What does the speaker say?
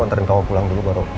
anterin kamu pulang dulu